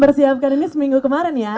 persiapkan ini seminggu kemarin ya